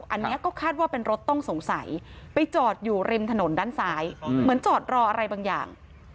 อันนี้ก็คาดว่าเป็นรถต้องสงสัยไปจอดอยู่ริมถนนด้านซ้ายเหมือนจอดรออะไรบางอย่าง